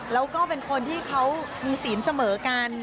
แล้วก็เป็นคนที่เขามีศีลเสมอกัน